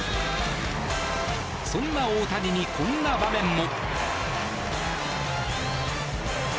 そんな大谷にこんな場面も。